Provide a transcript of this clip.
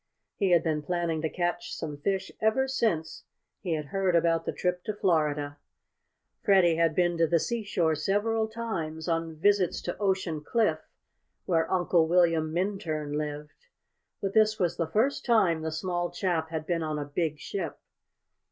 He had been planning to catch some fish ever since he had heard about the trip to Florida. Freddie had been to the seashore several times, on visits to Ocean Cliff, where Uncle William Minturn lived. But this was the first time the small chap had been on a big ship.